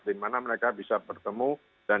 di mana mereka bisa bertemu dan